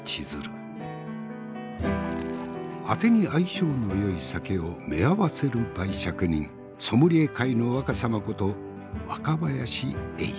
あてに相性のよい酒をめあわせる媒酌人ソムリエ界の若さまこと若林英司。